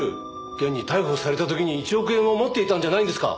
現に逮捕された時に１億円を持っていたんじゃないんですか？